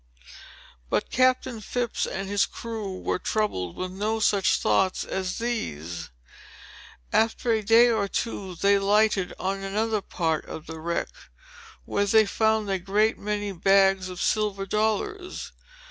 But Captain Phips and his crew were troubled with no such thoughts as these. After a day or two they lighted on another part of the wreck, where they found a great many bags of silver dollars.